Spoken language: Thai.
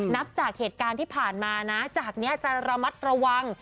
นับจากเหตุการณ์ที่ผ่านมานะจากนี้จะระมัดระวัง